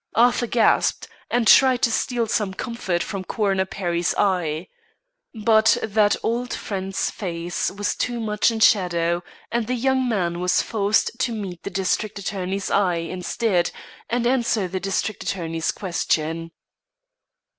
Arthur gasped, and tried to steal some comfort from Coroner Perry's eye. But that old friend's face was too much in shadow, and the young man was forced to meet the district attorney's eye, instead, and answer the district attorney's question.